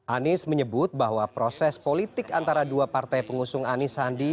anies menyebut bahwa proses politik antara dua partai pengusung anies sandi